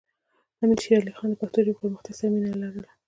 امیر شیر علی خان د پښتو ژبې پرمختګ سره مینه لرله.